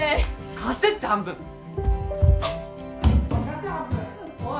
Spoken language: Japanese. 貸せって半分おい！